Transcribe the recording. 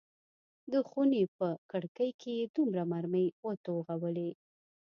د خونې پر کړکۍ یې دوه مرمۍ وتوغولې.